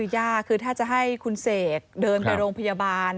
ยากคือถ้าจะให้คุณเสกเดินไปโรงพยาบาล